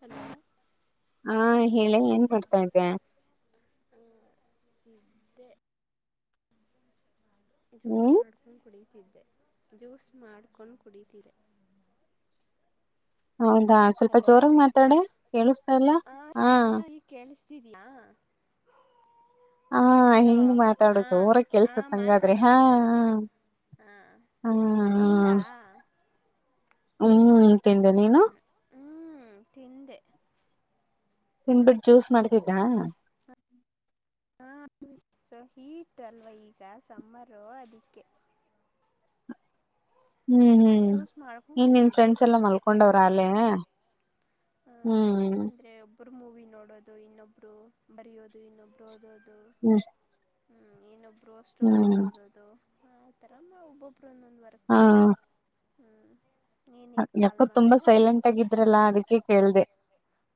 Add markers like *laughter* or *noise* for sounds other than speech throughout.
Hello ಹಾ ಹೇಳಿ ಏನ್ ಮಾಡ್ತಾ ಇದ್ದ *unintelligible* ಜ್ಯೂಸ್ ಹ್ಮ್ ಮಾಡ್ಕೊಂಡ್ ಕುಡಿ ಜ್ಯೂಸ್ ಮಾಡ್ಕೊಂಡು ಕುಡಿತೀರ ಹೌದಾ ಸ್ವಲ್ಪ ಜೋರಾಗ ಮಾತಾಡ ಕೇಳಿಸತಾ ಇಲ್ಲ ಹಾ ತಿದ್ಲಾ *unintelligible* ಹಾ ಹಿಂಗ್ ಮಾತಾಡೋದು ಜೋರ ಹಾ ಕೆಲ್ಸತ್ಂಗಾದ್ರೆ ಮಾತಾಡು ಹಾ ಮಾತಾಡು ಹಾ ಹ್ಮ ತಿಂದಾ ಹ್ಮ್ ತಿಂದೆ ನೀನು. ಹ್ಮ್ ತಿಂದೆ ತಿಂದಬಿಟ್ಟು ಜ್ಯೂಸ್ ಮಾಡ್ತಿದ್ದ ಹ ಸೊ ಹೀಟ್ ಅಲ್ವ ಈಗ ಸಾರೋ ಅದಿಕೆ ಹ್ಮ್ ಹ್ಮ್ ಜ್ಯೂಸ್ ಮಾಡ್ಕೊಂಡು ನ್ ನಿನ್ ಕುಡಿತಿದ್ದೆ ಫ್ರೆಂಡ್ಸ್ ಎಲ್ಲಾ ಮಲ್ಕೊಂಡವ್ರ ಅಲೇ ಹ್ಮ್ ಒರು ಮೂವಿ ನೋಡೋದು ಇನ್ನೊಬ್ರು ಬರೆಯೋದು ಇನ್ನೊಬ್ರು ಓದೋದು ಹ್ಮ್ ಹ್ಮ್ ಇನ್ನುಬ್ ಗ್ರೋ ಸ್ಟೋರಿಸೀಸ್ ಹ್ಮ್ ಓದದು ಆ ತರಮ್ಮ ಒಬ್ಬೊಬ್ಬ *unintelligible* ಯಾಕೋ ತುಂಬಾ ನೀನ್ ಸೈಲೆಂಟ್ ಆಗಿದ್ರಲ್ಲಾ ಅದಕ್ಕೆ ಕೇಳ್ದೆ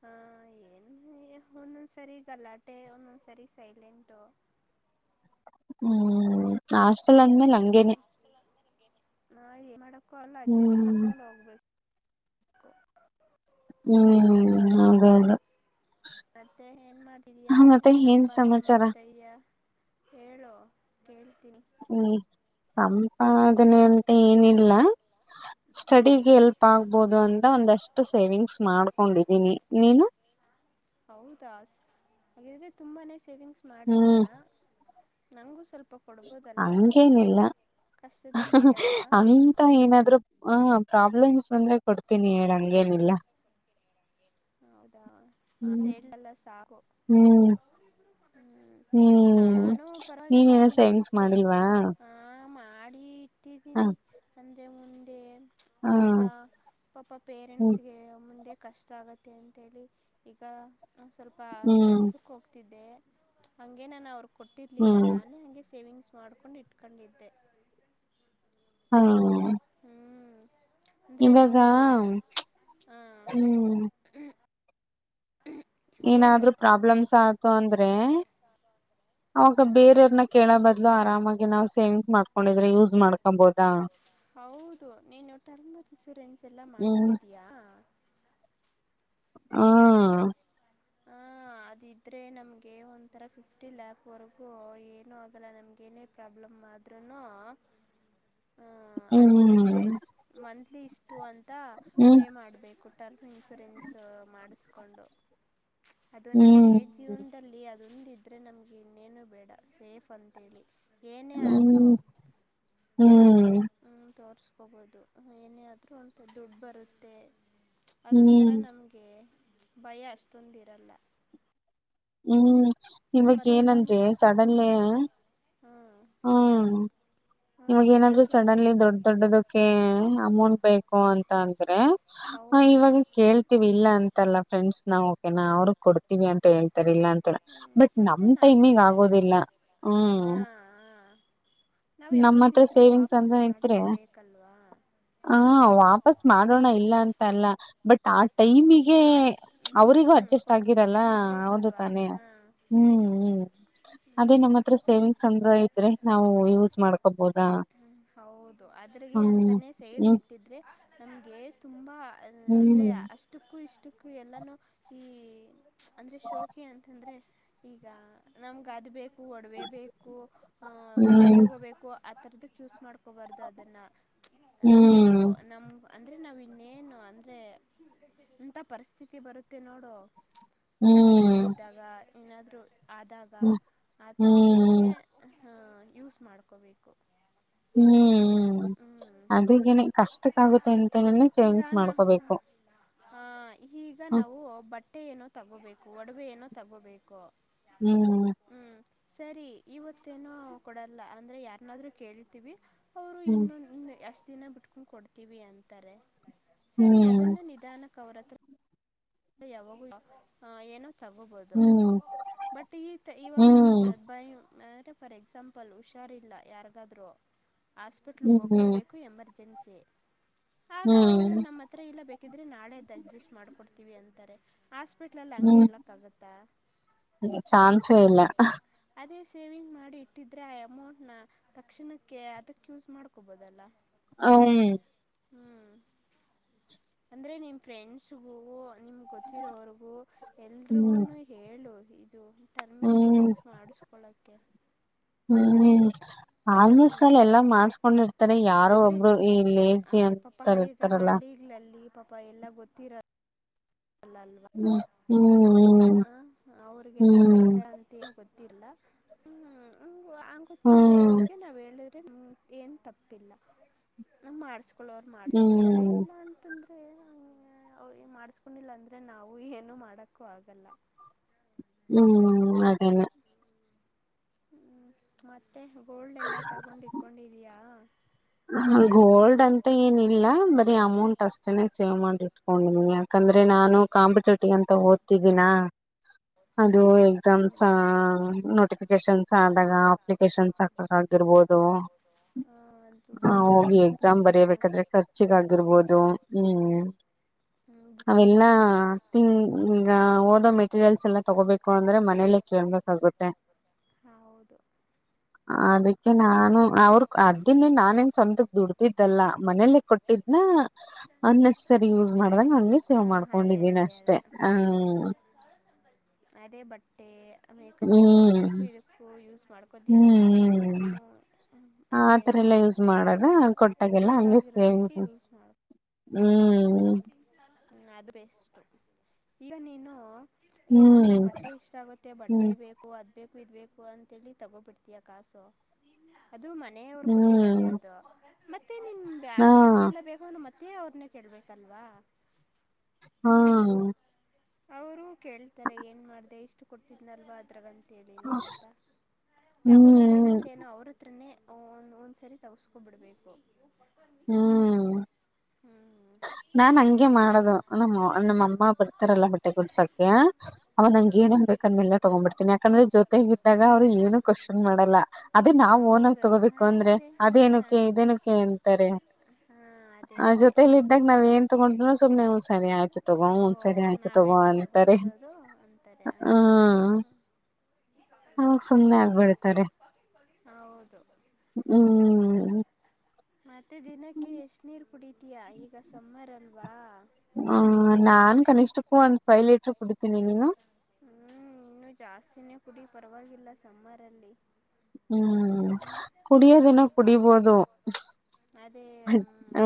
ಹ ಏನ್ ಒಂದೊಂದ್ಸರಿ ಗಲ್ಲಾಟೆ ಒಂದ ಸಾರಿ ಸೈಲಂಟು. ಹ್ಮ್ ನಸಲ ಅಂದ್ಮೇಲೆ ಹಂಗೇನೆ ನಾ *inaudible* ಮಾಡ ಕಲ್ ಅಡ್ಜಸ್ಟ್ ಹ್ಮ್ ಮಾಡ್ಕೊಂಡು ಹೋಗ್ಬೇಕು. *inaudible* ಹ್ಮ್ ಹೌದೌದು ಮತ್ತೆ ಏನ್ ಮಾಡ್ತಿದೀಯ ಹ, ಮತ್ತೆ ಏನ್ ಸಂಪಾದ್ನೆ ಸಮಾಚಾರ ಮಾಡ್ತಾ ಇದ್ಯಾ *unintelligible* ಹೇಳು ಕೇಳ್ತೀನಿ ಹ್ಮ್ ಹ ಅದನ್ನೇ ಅಂತ ಏನಿಲ್ಲ ಹ್ಮ್ ಸ್ಟಡಿಿಗೆ ಎಲ್ಪ್ ಆಗ್ಬೋುದು ಅಂತ ಒಂದಷ್ಟು ಸೇವಿಂಗ್ಸ್ ಮಾಡ್ಕೊಂಡಿದೀನಿ. ನೀನು ಹೌದಾ ಹಾಗಿದ್ರೆ ತುಂಬಾನೇ ಸೇವಿಂಗ್ ಹ್ಮ್ ಮಾಡಿದೀ್ಯಾಾ ನಂಗು ಸ್ವಲ್ಪ ಕೊಡ್ಬೋದಲ್ವಾ ಹಂಗೇನಿಲ್ಲ ಕಷ್ಟದಲ್ಲಿದ್ದಾಗ ಅಂತ ಏನಾದ್ರು ಆ ಪ್ರಾಬ್ಲಮ್ಸ್ ಬಂದ್ರೆ ಕೊಡ್ತೀನಿ ಹೇಳಂಗೇನಿಲ್ಲ ಹ್ಮ್ ಹೌದಾಲ್ಲ ಸಾಕು ಹ್ಮ್ ಹ್ಮ ಹ್ಮ್ ನಾನು ಪರವಾಗಿಲ್ಲ ನೀನೇನೋ ಒಂದಷ್ಟು ಸೇವಿಂಗ್ಸ್ ಸೇ ಮಾಡಿಲ್ವಾ ಆ ಮಾಡ ಹ ಇಟ್ಟಿದ್ದೀನಿ ಅಂದ್ರೆ ಹ ಈಗ ಪಾಪ ಹ್ಮ್ ಪೇರೆಂಟ್ಸ್ಗೆ ಮುಂದೆ ಕಷ್ಟ ಆಗುತ್ತ ಅಂತೇಳಿ ಈಗ ನ ಸ್ವಲ್ಪ ಹ್ಮ್ ಕೆಲ್ಸಕ್ಕೆ ಹೋಗ್ತಿದ್ದೆ ಹಂಗೇನೆನ ಅವ್ರ್ ಕೊಟ್ಟಿರ್ಲಿಲ್ಲ ಹ್ಮ್ ನಾನು ಹಂಗೆ ಸೇವಿಂಗ್ಸ್ ಮಾಡ್ಕೊಂಡ್ ಇಟ್ಕೊಂಡಿದ್ದೆ ಹಾ ಹ್ಮ್ ಅಂದರೆ ಇವಾಗ ನಾವು ಹಾಂ ಹ್ಮ್ ಹೇಳು ಏನಾದ್ರೂ ಪ್ರಾಬ್ಲೆಮ್ಸ್ ಆ ತೊಂದ್ರೆ ಅವಾಗ ಹ್ಞೂ ಬೇರೆಯವರ್ನ ಕೇಳ ಬದ್ಲು ಆರಾಮಾಗಿ ನಾವ್ ಸೇವಿಂಗ್ಸ್ ಮಾಡ್ಕೊಂಡಿದ್ರೆ ಯೂಸ್ ಮಾಡ್ಕೊಂಬೊದಾ ಹೌದು ನೀನು ಟರ್ಮ್ ಇನ್ಸೂರೆನ್ಸ್ ಎಲ್ಲ ಹ್ಮ್ ಮಾಡ್ಸಿದೀಯಾ ಆ ಹ ಅದಿದ್ರೆ ನಮಗೆ ಒಂಥರ ಫಿಫ್ಟಿ ಲ್ಯಾಕ್ವರೆಗೂ ಏನೂ ಆಗಲ್ಲ ನಮಗೇನೇ ಪ್ರಾಬ್ಲಮ್ ಆದ್ರೂನು ಹ್ಮ್ ಅದಿರುತ್ತೆ ಹ್ಮ್ ಮಂತ್ಲಿ ಇಷ್ಟು ಅಂತ ಹ್ಮ್ ಪೇ ಮಾಡ್ಬೇಕು. ಟರ್ಮ್ ಇನ್ಶೂರೆನ್ಸ್ ಮಾಡಿಸ್ಕೊಂಡು. ಅದು ಹ್ಮ್ ನಮ್ಗೆ ಜೀವನದಲ್ಲಿ ಅ ಒಂದಿದ್ರೆ ನಮ್ಗಿನ್ನೆನು ಬೇಡ ಸೇಫ್ ಅಂತೇಳಿ. ಏನೇ ಆದರೂ ಹ್ಮ್ ಹ್ಮ್ ಹ್ಮ್ ತೋರ್ಸ್ ಹಾಕಬಹುದು ಏನೇ ಆದ್ರೂ ಅಂತ ದುಡ್ಡು ಬರುತ್ತೆ ಅದೊಂತರ ಹ್ಮ್ ನಮಗೆ ಭಯ ಅಷ್ಟ ತಂದಿರಲ್ಲ ಹ್ಮ್ ಇವಗ್ ಏನಂದ್ರೆ ಸಡನ್ಲೀ ಹ್ಞೂ ಹಾ ಹ್ ಹ್ಞೂ ಇವಾಗ ಏನಾದ್ರು ಏನಾದರೂ ಸಡನ್ಲಿ ದೊಡ್ಡ ದೊಡ್ಡದಕ್ಕೆ ಅಮೌಂಟ್ ಬೇಕು ಅಂತ ಅಂದ್ರೆ ಹೌದು ಇವಾಗ ಕೇಳ್ತೀವಿ ಇಲ್ಲ ಅಂತಲ್ಲ ಫ್ರೆಂಡ್ಸ್ ನಾ ಓಕೆ ನಾ ಅವ್ರಗ್ ಕೊಡ್ತೀವಿ ಅಂತ ಹೇಳ್ವಿ ಇಲ್ಲ ಅಂತ ಹ್ಞೂ ಬಟ್ ಮತ್ತು ನಮ್ ನಾವು ಟೈಮಗ್ ಆಗೋದಿಲ್ಲ ಹ್ಮ್ ಹಾಂ ಹಾಂ ನಾವು ನಮ್ಮ ಹತ್ರ ಯಾವತ್ತಿದ್ರೂ ಸೇವಿಂಗ್ಸ್ ವಾಪಸ್ ಅಂತ ಇದ್ರೆ ಮಾಡಲೇಬೇಕಲ್ವಾ ವಾಪಸ್ ಮಾಡೋಣ ಇಲ್ಲ ಅಂತ ಅಲ್ಲ ಬಟ್ ಆ ಟೈಮಿಗೆ ಆ ಹ್ಞೂ ಅವರಿಗೂ ಅಡ್ಜಸ್ಟ್ ಕೊಡು ಆಗಿರಲ್ಲ ಹೌದು ಆಗಬೇಕಲ್ವಾ ತಾನೇ ಹಾಂ ಹ್ಮ್ ಹ್ಮ್ ಅದೇ ನಮ್ಮ ಹತ್ರ ಸೇವಿಂಗ್ಸ್ ಅಂದ್ರ ಇದ್ರೆ ನಾವು ಯೂಸ್ ಮಾಡ್ ಹ್ಮ ಹೌದು ಅದ್ರಗೆ ಹ್ಮ್ ಅಂತಾನೆ ಸೈಡ್ ಹ್ಮ್ ಇಟ್ಟಿದ್ರೆ ನಮ್ಗೆ ತುಂಬಾ ಅಂದ್ರೆ ಹ್ಮ್ ಅಷ್ಟ ಕ್ಕು ಇಷ್ಟಕ್ಕೂ ಎಲ್ಲಾನೂ ಈ ಅಂದ್ರೆ ಶೋಕಿ ಅಂತಂದ್ರೆ ಈಗ ನಮಗೆ ಅದು ಬೇಕು ಒಡವೆಬೇಕೇಕು ಬಟ್ಟೆ ಹ್ಮ್ ತಗೋಬೇಕು ಆಥರದ ಚೂಸ್ ಮಾಡು ಬಾರದು ಅದನ್ನ ನಾವು ನಮ ಅಂದರೆ ನಾವುನ್ನೇನು ಅಂದ್ರೆ ಎಂತ ಪರಿಸ್ಥಿತಿ ಬರುತ್ತೆ ನೋಡು ಹ್ಮ್ ಹುಷಾರೀಲ್ಲಿದಾಗ ಏನಾದ್ರು ಆದಾಗ ಹ್ಮ್ ಆ ತರದಕ್ಕೆ ಹ್ಮ್ ಹ ಯೂಸ್ ಮಾಡ್ಕೋಬೇಕು ಹ್ಮ್ ಹ್ಮ್ ಅದಗೇನೆ ಕಷ್ಟಕ್ಕ ಆಗುತ್ತೆ ಅಂತನನೆ ಈಗ ಸೇವಿಂಗ್ಸ್ ನಾ ಮಾಡ್ಕೋಬೇಕು ಹ ಈಗ ಹ್ಮ್ ನಾವು ಬಟ್ಟೆ ಏನೋ ತಗೋ ತಗೋಬೇಕು ಒಡವೆ ಏನೋ ತಗೋಬೇಕು ಹ್ಮ್ ಹ್ಮ್ ಸರಿ ಇವತ್ತೇನು ಕೊಡಲ್ಲ ಅಂದ್ರೆ ಯಾರನಾದ್ರು ಕೇಳಿರ್ತೀವಿ ಹ್ಮ್ ಎಷ್ಟು ದಿನ ಬಿಟ್ಕೊಂಡು ಕೊಡ್ತೀವಿ ಅಂತಾರೆ ಸರಿ ಹ್ಮ್ ಅದನ್ನ ನಿಧಾನ ಕರತ್ ಯಾವ ಏನ ತಗೋಬೋದು ಹ್ಮ್ ಬಟ್ ಈ ಇವಾಗ ನಮ್ಗೆ ಹ್ಮ್ ಬಾಯ ಫಾರ್ ಎಕ್ಸಾಂಪಲ್ ಹುಷಾರಿಲ್ಲ ಯಾರಿಗಾದ್ರು ಹಾಸ್ಪಿಟಲ್ ಹ್ಮ್ ಹೋಗ್ಲೆಬೇಕು ಎಮರ್ಜೆನ್ಸಿ ದಿನ್ಸಿ ಹ್ಮ್. ಬೇಕಿದ್ರೆ ನಳೆ ದಜ್ರಿಸ್ ಮಾಡ್ಕೊಂಡ ತೀವಿ ಅಂತಾರೆ. ಆಸ್ಪಿಟ್ಲಲ್ಲಿ ಹಂಗಗೆ ಹ್ಮ್ ಹೇಳಲಕ್ಕ ಆಗತ್ತಾ. ಚಾನ್ಸೇ ಇಲ್ಲ ಸೇವಿಂಗ್ ಮಾಡಿ ಇಟ್ಟಿದ್ರೆ ಆ ಅಮೌಂಟ್ನ ತಕ್ಷಣಕ್ಕೆ ಅದಕ್ಕೆ ಯೂಸ್ ಮಾಡ್ಕೊಬೋದಲ್ಲ. ಹ್ಮ. ಹ್ಮ್ ಅಂದ್ರೆ ನಿಮ ಫ್ರೆಂಡ್ಸಗೂ. ನಿಮ್ಗೆ ಗೊತ್ತಿರೋವ್ರಗೂ ಎಲ್ರಿಗು ಹ್ಮ್ ಹೇಳು ಇದು ಟರ್ಮ್ ಹ್ಮ್ ಇನ್ಶೂರೆನ್ಸ್ ಮಾಡಿಸ್ಕೊಳಕ್ಕೆ. ಹ್ಮ್ ಆಲ್ಮೋಸ್ಟ್ ಅಲ್ಲಿ ಎಲ್ಲಾ ಮಾಡ್ಸ್ಕೊಂಡಿರ್ತಾರೆ ಹಾಂ ಯಾರೋ ಅಂದರೆ ಒಬ್ರು ಈ ಲೇಸಿ ಅದೇ ಪಾಪ ಅಂತ ಈಗ ಇರ್ತಾರಲ್ಲ. ಹಳ್ಳಿಗಳಲ್ಲಿ ಪಾಪ ಎಲ್ಲಾ ಗೊತ್ತಿರ ಅಲ್ಲಲ್ವಾ ಹ್ಮ್ ಹ್ಮ್ ಆ ಅವ್ರಿಗೆಲ್ಲ ಪೈತ ಹ್ಮ್ ಅಂತ ಹೋಗುತ್ತ. ಲ್ಲ ಹ್ಮ್ಮ. ಹಂ ಹ್ಮ್ ಗೊತ್ತಲ್ದಿರೋ್ರಿಗೆ ನಾವವು ಹೇಳ. ಏನ್ ತಪ್ಪಿಲ್ಲ ನ ಮಾಡ. ಮಕ್ಕಳ ಅವ್ರು ಮಾಡಸ್ಕೋತಾರೆ ಹ್ಮ್ ಇಲ್ಲ ಅಂತಂದ. ಹ ಮಾಡ ನಿಲ್ಲ ಅಂದ್ರೆ ನಾವು ಏನು ಮಾಡಕ್ಕೂ ಆಗಲ್ಲಫಫಫ. ಹ್ರಙೋ. ಹ್ಮ್ ಅದೇಲ್ಲ. ಹೂ ಮತ್ತ ಮತ್ತೆ ಗೋಲ್ಡ್ ಎಲ್ಲ ತಗೊಂಡ್ ಇಕೊಂಡಿದಯಾ. ಗೋಲ್ಡ್ ಅಂತ ಏನಿಲ್ಲ ಬರಿ ಅಮೌಂಟ್ ಅಷ್ಟನೆೇ ಸೇವ್ ಮಾಡಿ ಇಟ್ಕೊಂಡನಿ ಯಾಕಂದ್ರೆ ನಾನು ಕಾಂಪಿಟೇಟಿವ್ ಅಂತ ಓದ್ತಿದ್ದೀಿನ. ಇದು ಎಕ್ಸಾಮ್ಸ್ ಹ್ಮ್ ನೋಟಿಫಿಕೇಶನ್. ಸ ಆದಾಗ ಅಪ್ಲಿಕೇಶನ್ಸ್ ಅಕಾಕ ಆಗಿರ್ಬೋದು. ಹ್ಮ ಅದ ಹ ಹೋಗಿ ಎಕ್ಸಾಮ್ ಬರಿಬೇಕಾದ್ರೆ ಖರ್ಚಿಗ ಆಗಿರ್ಬೋದು ಹ್ಮ್ ಹ್ಮ್ ಅವೆಲ್ಲಾ ಬುಕ್ಸಿಗೆ ತಿಂಗ ಈಂಗ ಓದೋ ಮೆಟೀರಿಯಲ್ಸ್ ತಗೋಬೇಕು ಅಂದ್ರೆ ಮನೇಲೆ ಕೇಳ್ಬೇಕಾಗುತ್ತೆ ಹೌದು ಅದಕ್ಕೆ ನಾನು ಅವರು ಅದ್ದಿನೇ. ಮೀನ್ಸ್ ಸ್ವಂತಕ್ ದುಡ್ತಿದ್ದಲ್ಲ ಮನೇಲ್ಲ ಕೊಟ್ಟಿದ್ನ ಅಸಸರಿ ಯೂಸ್ ಮಾಡ್ದಂಗ ಹಂಗೆ ಸೇವ್ ಹ ಅದೇ ಮಾಡ್ಕೊಂಡಿದೀನಿ ಅದೇ ಅಷ್ಟೆ ಅದೇ ಹ್ಮ್ ಹ್ಮ ಮೇಕಪ್ ಅದುಕ್ಕ ಇದುಕ್ಕ ಯೂಸ್ ಮಾಡ್ಕೋದಿರಾ. ಹ ಆತರ ಎಲ್ಲ ಯೂಸ್ ಮಾಡದ ಕೊಟ್ಟಾಗಲ್ಲ ಹಂಗೆ ಸೇವಿಂಗ್ ಬೇಕಾಗಿರೋದಕ್ಕೆ ಹೂ ಯೂಸ್ ಮಾಡು ಹ್ಞೂ ಅದು ಬೆಸ್ಟು ಈಗ ನೀನು. ಏನೋ ನಿಂಗ್ ಹ್ಮ್ ಬಟ್ಟೆ ಇಷ್ಟ ಆಗುತ್ತೆ ಬಟ್ಟೆ ಹ್ಮ್ ಬೇಕು ಅದ್ ಬೇಕು ಇದ್ಬೇಕು ಅಂತೇಳಿ ತಗೋಬಿಡ್ತಯ ಕಾಸು. ಅದು ಮನೆಯವ್ರು ಕೊಟ್ಟಿರೋದೇ ಹ್ಮ್ ಅದು. ಮತ್ತೆ ಮತ್ತೆ ನಿನ್ ಹಾ ಬುಕ್ಸ್ ಲ್ಲ ಬೇೋ ಮತ್ತೆ ಮತ್ತೆ ಅವ್ರನ್ನ ಕೇಳ್ಬೇಕಲ್ವಾ. ಹ್ಮ ಅವರು ಕೇಳ್ತಾರೆ ಏನ್ ಮಾಡ್ದ ಇಷ್ಟು ಕೊಟ್ಟಿದ್ನಲ್ವಾ ಅದ್ರಾಗಂತ. ತೇಳಿನಿ ಅಂತ ತಗೊಳ್ಳೋ ಹ್ಮ್ ಟೈಮಲ್ಲಿ ಏನೋ ಅವ್ರ ಹತ್ರೇ ಒ ಒಂದ್ಸರಿ ತೌಸ್ಕೊಬಿಡ್ಬೇಕು. ಹ್ಮ್ ಹ್ಮ್ ನಾನ್ ಹಂಗೆ ಮಾಡದು ನಮ್ಮ ನಮ್ಮ ಅಮ್ಮ ಬರ್ತಾರಲ್ಲ ಬಟ್ಟೆ ಕೊಡ್ಸಕ್ಕೆ ಅವ ನಂಗ ಹ್ಞೂ ಏನೇನ್ ಅದನೆಲ್ಲಾ ತಗೊಂಬಿಡ್ತೀನಿ ಯಾಕಂದ್ರೆ ಜೊತೆಗ ಇದ್ದಾಗ ಅವರು ಏನು ಕ್ಶನ್ ಮಾಡಲ್ಲ ಅದೇ ನಾವವು ಓನಾಗ ಹೌದು ತಗೋಬೇಕು ಅಂದ್ರೆ ನಾವಾದ್ರೆ ಹಾ ಅದೇನಕ್ಕೆ ಇದೇನಕ್ಕೆ ಅಂತಾರೆ ಹಾ ಅದೇ ಆ ಅದೇ ಜೊತೆಯಲ್ಲಿ ದಾಗಾ ನಾವ್ ಏನ್ ತಗೊಂಡ್ರ ಸುಮನೆ ಒಂದ್ ಸರಿ ಆಯ್ತು ತಗೋ ಓ ಒಂದ್ ಸರಿ ಆಯ್ತು ತಗೋ ನಾವೆಲ್ಲ ಅಂತಾರೆ ತಗೊಟ್ಟಿರೋದು ಅಂತಾರೆ ಹ ಹ್ಮ ಅವಾಗ ಸುಮ್ನೆ ಆಗ್ಬಿಡ. ಸ ಹೌದು ಹ್ಮ್ ಹ್ ಮತ್ತೆ ದಿನಕ್ಕೆ ಎಷ್ಟ ನೀರು. ಕುಡಿತೀಯಾ ಈಗ ಸಮ್ಮರ್ ಅಲ್ಲಿ. ವಾ. ಹ್ಮ ನಾನ್ ಕನಿಷ್ಠಕ್ಕೂ ಒಂದ್ ಫೈವ್ ಲೀಟರ್ ಕುಡಿತೀನಿ ನೀನು. ಹ್ಮ್ ಇನ್ನು ಜಾಸ್ತಿನೇ ಕುಡಿ ಪರವಾಗಿಲ್ಲ ಸಮ್ಮರ್ಲ್ಲಿ ಹ್ಮ್ ಕುಡಿಯೋದಿನ ಕುಡಿಬೋದು ಅದೇ ಹ್ಮ.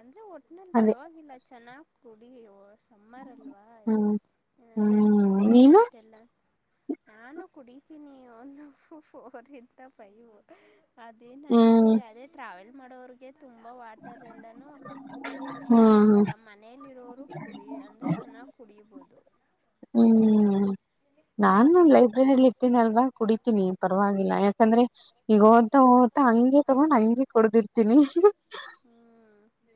ಅಂದ್ರೆ ಒ ಅನಲ್ಲಿ ಪರವಾಗಿಲ್ಲ ಚೆನ್ನಾಗ ಕೊಡಿ ಹವ. ಸಮ್ಮಾರ ಅಲ್ವಾ. ಹ್ಮ್ ಲ್ಲ ಹ್ಮ್ ಅದು ನೀನು ಹೀಟ್ ಎಲ್ಲ ನಾನು. ಕುಡಿತೀನಿ ಫೋರ್ ಇಂದ ಪೈವು. ಅದೇ ನನ್ಗೆ ಹ್ಮ್ ಅದೇ ಟ್ರಾವೆಲ್. ಮಾಡೋರ್ಗೆ ತುಂಬ ವಾಟರ್ ಎಲ್ಲಾನೂ ಕುಡಿಯೋಕ್ಕೆ ಹ್ಮ್ ಆಗಲ್ಲ ಮನೆಯಲ್ಲಿರೋರು ಕುಡಿಯ ಅಂದರೆ ಚೆನ್ನಾಗಿ ಕುಡಿಯಬಹುದು. ಹ್ಮ್ ನಾನು ಹ್ಮ್ ಲೈಬ್ರರಿಯಲ್ಲಿ ಇದ್ದನಲ್ವಾ ಕುಡಿ. ತೀನಿ ಪರವಾಗಿಲ್ಲ ಯಾಕಂದ್ರೆ ಈಗ ಓದ್ತಾ ಓದ್ತಾ ಹಂಗೆ ತಗೊಂಡ್ ಹಂಗೆ ಕೊಡ್ದಿರ್ತೀನಿ. ಹ್ಮ್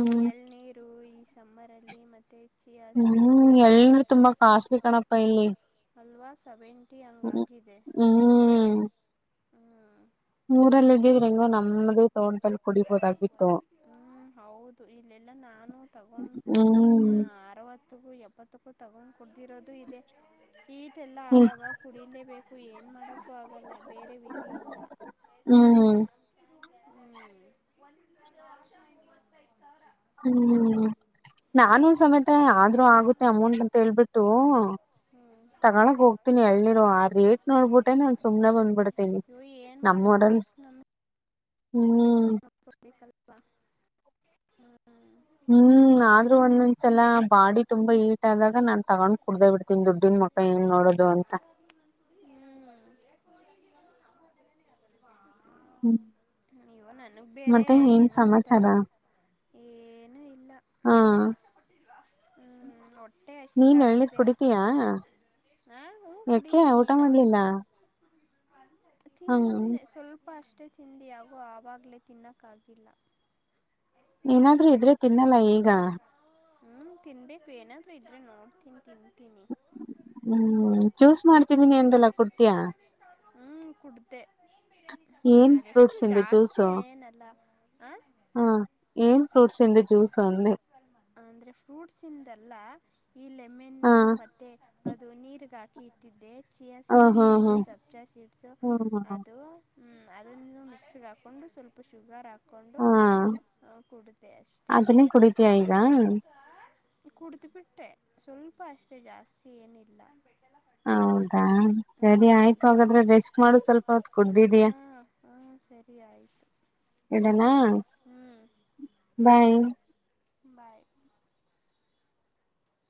ಈ ಎಳ್ನೀರು ಈ ಸಮ್ಮರ್ ಅಲ್ಲಿ ಮತ್ತೆ ಚಿಯಾ ಸ್ವೀಡ್ಸು ಹ್ಮ್ ಇಲ್ಲಾ ಎಲ್ರು ಸಬ್ಜಾ ತುಂಬಾ ಕಾಸ್ಟ್ಲಿ ಸ್ವೀಡ್ಸು ಕಣಪ್ಪ ಇಲ್ಲಿ ಅಲ್ವಾ ಸೆವೆಂಟಿ ಹಂಗ ಆಗಿದೆ. ಹ್ಮ್ ಮೂಊರಲ್ಲ ಇದೀವ್ರಿಂಗೋ ನಮ್ದ. ಹ್ಮ ಹೌದು ಇಲ್ಲೆಲ್ಲ ನಾನು ತಗೊಂಡ್ ಹ್ಮ್ ಅರವತ್ತಗೂ ಎಪ್ಪತ್ತಕ್ಕೂ. ತಗ ಕುಡ್ದಿರೋದು ಇದೆ ಈಟ ಎಲ್ಲ ಹ್ಮ್ ಆದಾಗ ಕುಡಿಲೇಬೇಕು ಏನ್ ಮಾಡಕ್ಕೂ ಆಗಲ್ಲ ಬೇರೆ ವಿಧಿ ಇಲ್ಲ ಹ್ಮ್ ಒಂದ್ ಲಕ್ಷ ಮೂವತ್ತೈದ ಸಾವಿರ. ಹ್ಮ್ ನಾನು ಸಮೇ ಮತ್ತೆ ಆದ್ರೂ ಆಗುತ್ತೆ ಅಮೌಂಟ್ ಅಂತ ಹೇಳ್ಬಿಟ್ಟು ತಗಳಕ್ ಹೋಗ್ತೀನಿ ಎಳ್ನಿರು ಆ ರೇಟ್ ನೋಡ್ಬಿಟ್ಟೆನೆ ಸುಮ್ನೆ ಬಂದ್ಬಿಡ್ತೇನಿ ಇವು ನಮ್ಮೂರಲ್ಲಿ ಹ್ಮ್ *unintelligible* ಹ್ಮ್. ಹ್ಮ್ ಆದ್ರೂ ಒಂದೊಂದ್ಸಲ ಬಾಡಿ ತುಂಬಾ ಹೀಟ್ ಆದಾಗ ನಾನ್ ತಗೊಂಡ್ ಕುೂಡ್ದ ಬಿಡ್ತೀನ್ ದುಡ್ಡನ್ ಮಕ್ಕ ಏನ್ ನೋಡೋದು ಅಂತ. ಹ್ಮ್ ಹ್ಮ್ ಇವ ನನ್ಗ್ ಬೇರೆ ಮತ್ತೆ ಏನ್ ಏನೋ ತರ ಸಮಾಚಾರ ಏನುೂ ಇಲ್ಲ ಹಾ ಹ್ಮ್ ಹೊಟ್ಟೆ ಹಸ ನೀನ್ ತಾಯ ಎಳ್ನೀರ್ ಇದೆ ಕುಡಿತೀಯಾ ಹಾ ಹ ಯಾಕೆ ಕುಡಿತೀನಿ ಊಟ ನಮ ಮಾಡ್ಲಿಲ್ಲ ತಿನ್ನ ಹ್ಮ ಸ್ವಲ್ಪ ಅಷ್ಟ. ಚಿಂಧಿ ಆವು. ಆವಾಗ್ಲೇ ತಿನ್ನಕ್ಕಾಗಿಲ್ಲ. ಏನಾದ್ರೂ ಇದ್ರೆ ತಿನ್ನಲ್ಲ ಈಗ. ಹ್ಮ್ ತಿನ್ಬೇಕು ಏನಾದ್ರೂ ಇದ್ರೆ ನೋಡ್ತೀನಿ ತಿಂತೀನಿ ಹ್ಮ್ ಚೂಸ್ ಮಾಡ್ತನನಿ ಎಂದಲ್ಲ ಕುಡ್ತೀಯಾ ಹ್ಞೂ ಕುಡ್ದೆ ಏನ್ ಪ್ರಶ ಅದೆಷ್ಟು ಜಾಸ್ತಿ ಏನಲ್ಲ ಹಾ ಹ ಏನ್ ಫ್ರೂಟ್ಸ್ ಇಂದು ಜ್ಯೂಸು ಅಂದೆ ಅಂದ್ರೆ ಫ್ರೂಟ್ಸಿಯಿಂದ ಅಲ್ಲ. ಹ ಈ ಹ ಲೆಮ್ಮೆನ್ನು ಮತ್ತೆ ಅದು ನೀರ್ಗ ಹಾಕಿ ಕೀತಿದ್ದೆ ಚಿಯಾ ಹ ಸೀಡ್ಸು ಹಾ ಮತ್ತೆ ಹಾ ಸಬ್ಜಾ ಸೀಟ್ಸು ಹ್ಮ ಅದು ಹ್ಮ್ ಅದನ್ನು. ಸ್ ಹಾಕೊಂಡು ಸ್ವಲ್ಪ ಶುಗರ್ ಹಾಕಿ ಕೊಂಡು ಹಾ ಕುಡದೇ ಅಷ್ಟೆ. ಅದನ್ನೇ ಕುಡಿತೀಯಾ ಈಗ ಕುಡಿದು ಬಿಟ್ಟೆ ಸ್ವಲ್ಪ ಅಷ್ಟೇ ಜಾಸ್ತಿ ಏನಿಲ್ಲ. ಹೌದಾ ಸರಿ ಆಯ್ತು ಹಾಗಾದ್ರೆ ರೆಸ್ಟ್ ಮಾಡು ಸ್ವಲ್ಪ ಹೊತ್ ಕುಡ್ದಿದಯಾ ಸರಿಯಯಿತು ಬಾಯಿ ಬಾಯ್.